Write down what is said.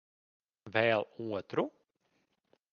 Vēl otru?